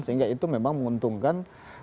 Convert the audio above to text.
sehingga itu memang menguntungkan